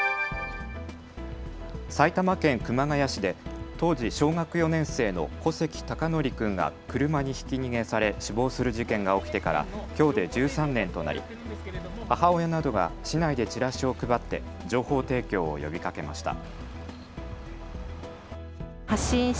埼玉県熊谷市で当時、小学４年生の小関孝徳君が車にひき逃げされ死亡する事件が起きてからきょうで１３年となり母親などが市内でチラシを配って情報提供を呼びかけました。